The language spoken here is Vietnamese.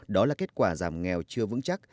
đó là kết quả giảm nghèo chưa vững chắc